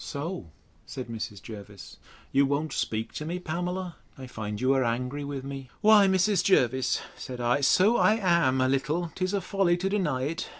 So, said Mrs. Jervis, you won't speak to me, Pamela! I find you are angry with me. Why, Mrs. Jervis, said I, so I am, a little; 'tis a folly to deny it.